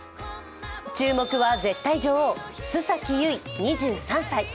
注目は絶対女王・須崎優衣２３歳。